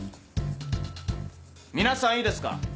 皆さんいいですか。